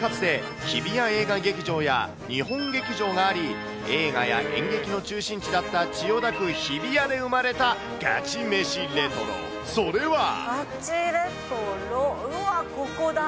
かつて日比谷映画劇場や日本劇場があり、映画や演劇の中心地だった千代田区日比谷で生まれたガチ飯レトロ、ガチレトロ、うわー、ここだ。